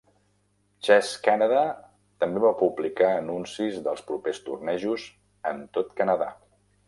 "Chess Canada" també va publicar anuncis dels propers tornejos en tot Canadà.